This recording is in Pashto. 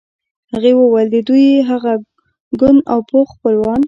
هغې وویل د دوی هغه کونډ او پوخ خپلوان.